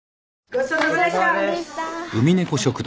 ごちそうさまでした。